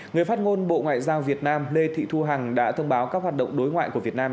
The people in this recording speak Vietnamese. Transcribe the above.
người phát ngôn bộ ngoại giao việt nam lê thị thu hằng đã thông báo các hoạt động đối ngoại của việt nam